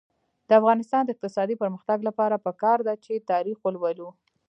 د افغانستان د اقتصادي پرمختګ لپاره پکار ده چې تاریخ ولولو.